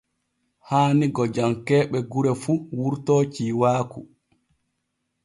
Haani gojankee ɓe gure fu wurto ciiwaaku.